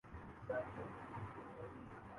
Industry ہے۔